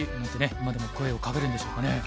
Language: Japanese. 今でも声をかけるんでしょうかね。